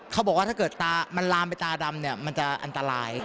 เขาบอกว่าถ้าเกิดตามันลามไปตาดำเนี่ยมันจะอันตราย